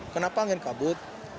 kenapa angin kabut